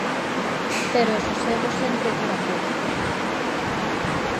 Pero o sosego sempre dura pouco.